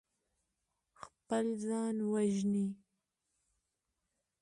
خپل ځان وژني.